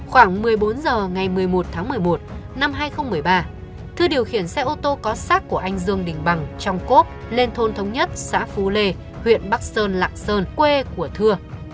khoảng một mươi bốn h ngày một mươi một tháng một mươi một năm hai nghìn một mươi ba thưa điều khiển xe ô tô có sát của anh dương đình bằng trong cốp lên thôn thống nhất xã phú lê huyện bắc sơn lạc sơn quê của thưa